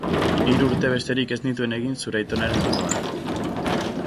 Hiru urte besterik ez nituen egin zure aitonaren ondoan.